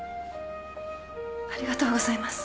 ありがとうございます。